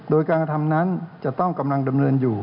โดยการกระทำนั้นจะต้องกำลังดำเนินอยู่